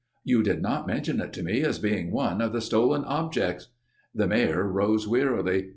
"You did not mention it to me as being one of the stolen objects." The Mayor rose wearily.